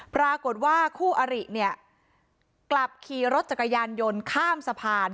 ปรากฏว่าคู่อริเนี่ยกลับขี่รถจักรยานยนต์ข้ามสะพาน